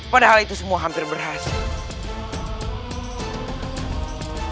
padahal itu semua hampir berhasil